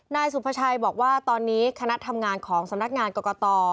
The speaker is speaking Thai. นายสุภาชัยบอกว่าตอนนี้คณะทำงานของสำนักงานกรกต